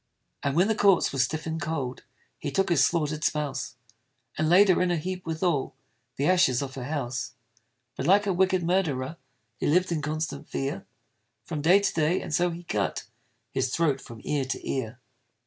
And when the corpse was stiff and cold, He took his slaughter'd spouse, And laid her in a heap with all The ashes of her house. But like a wicked murderer, He lived in constant fear From day to day, and so he cut His throat from ear to ear.